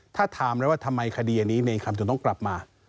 ถ้าถามแล้วว่าทำไมคดีอันนี้เนรคำจนต้องกลับมา